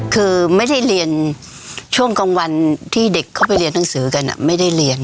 คือไม่ได้เรียนช่วงกลางวันที่เด็กเข้าไปเรียนหนังสือกันไม่ได้เรียน